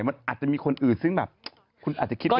มันอาจจะมีคนอื่นซึ่งแบบคุณอาจจะคิดว่า